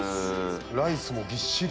ライスもぎっしり。